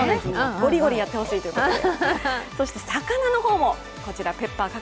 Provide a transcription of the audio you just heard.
ゴリゴリやってほしいということで。